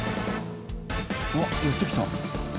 うわっ寄ってきた。